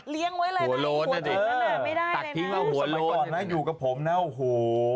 เลี้ยงไว้เลยนะหัวโลดนั่นนะไม่ได้เลยนะสมัยก่อนนะอยู่กับผมนะโอ้โฮ